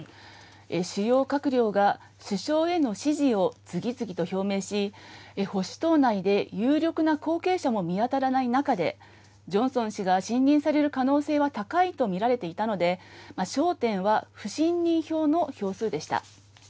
主要閣僚が首相への支持を次々と表明し、保守党内で有力な後継者も見当たらない中で、ジョンソン氏が信任される可能性は高いと見られていたので、焦点は不信任票の票数でした。